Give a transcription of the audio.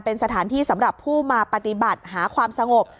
เป็นสถานที่สำหรับผู้มาปฏิบัติหาความสงบ